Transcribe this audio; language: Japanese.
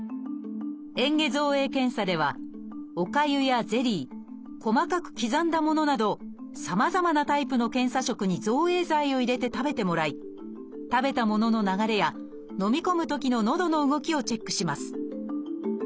えん下造影検査ではおかゆやゼリー細かく刻んだものなどさまざまなタイプの検査食に造影剤を入れて食べてもらい食べたものの流れやのみ込むときののどの動きをチェックします